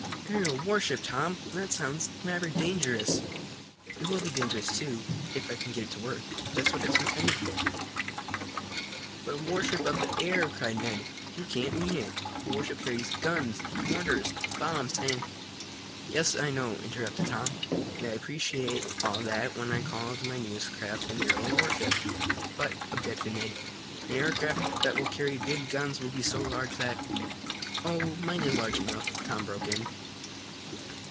"Aerial warship, Tom! That sounds rather dangerous!" "It will be dangerous, too, if I can get it to work. That's what it's intended for." "But a warship of the air!" cried Ned. "You can't mean it. A warship carries guns, mortars, bombs, and " "Yes, I know," interrupted Tom, "and I appreciate all that when I called my newest craft an aerial warship." "But," objected Ned, "an aircraft that will carry big guns will be so large that " "Oh, mine is large enough," Tom broke in.